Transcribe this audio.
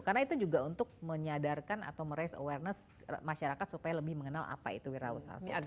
karena itu juga untuk menyadarkan atau meres awareness masyarakat supaya lebih mengenal apa itu wirausaha sosial